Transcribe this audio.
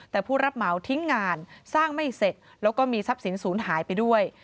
แต่ผู้รับเหมาทิ้งงานสร้างไม่เสร็จแล้วก็มีทรัพย์สินศูนย์หายไปด้วย